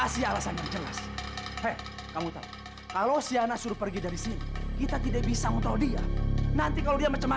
sampai jumpa di video selanjutnya